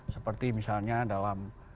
seperti misalnya dalam